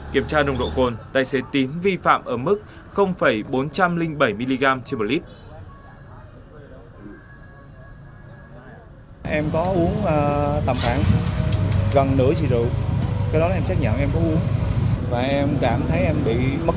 kiểm tra nồng độ cồn tài xế tín vi phạm ở mức bốn trăm linh bảy mg trên một lít